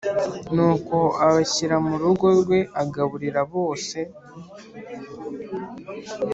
Nuko abashyira mu rugo rwe agaburira bose